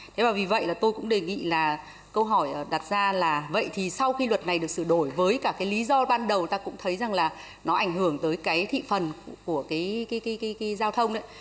thế và vì vậy là tôi cũng đề nghị là câu hỏi đặt ra là vậy thì sau khi luật này được sửa đổi với cả cái lý do ban đầu ta cũng thấy rằng là nó ảnh hưởng tới cái thị phần của cái giao thông đấy